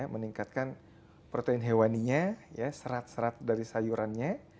meningkatkan protein hewaninya serat serat dari sayurannya